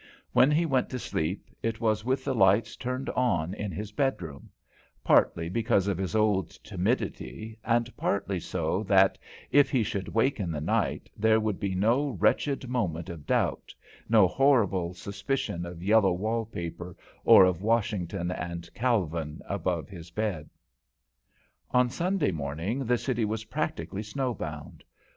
When he went to sleep, it was with the lights turned on in his bedroom; partly because of his old timidity, and partly so that, if he should wake in the night, there would be no wretched moment of doubt, no horrible suspicion of yellow wall paper, or of Washington and Calvin above his bed. On Sunday morning the city was practically snow bound.